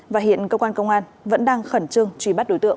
và hiện công an tp hcm vẫn đang khẩn trương truy bắt đối tượng